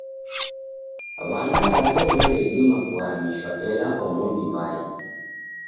W'ana w'aw'o w'eredima kuhamishwa, ela omoni mbai.